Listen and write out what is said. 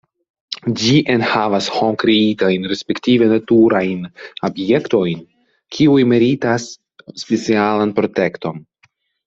Ĝi enhavas hom-kreitajn respektive naturajn objektojn, kiuj meritas specialan protekton.